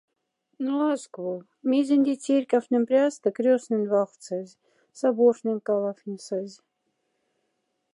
Но азк вов, мезенди церькафнень пряста крёснень валхтсазь, соборхнеяь калафнесазь?